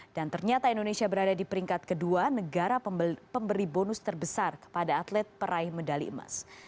dan ternyata indonesia berada di peringkat kedua negara pemberi bonus terbesar kepada atlet peraih medali emas